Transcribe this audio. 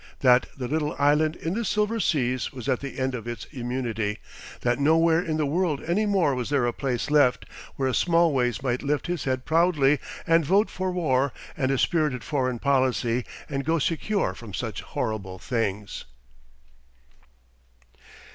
that the little island in the silver seas was at the end of its immunity, that nowhere in the world any more was there a place left where a Smallways might lift his head proudly and vote for war and a spirited foreign policy, and go secure from such horrible things.